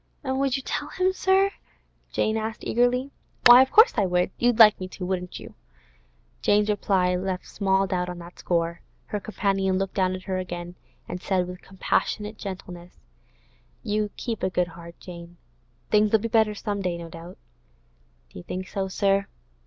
'And would you tell him, sir,' Jane asked eagerly. 'Why, of course I would. You'd like me to, wouldn't you?' Jane's reply left small doubt on that score. Her companion looked down at her again, and said with compassionate gentleness: 'Keep a good heart, Jane. Things'll be better some day, no doubt.' 'Do you think so, sir?